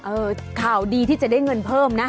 ข่าวดีที่จะได้เงินเพิ่มนะ